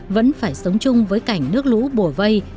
vẫn phải sống chung với cảnh nước lũ bổ vây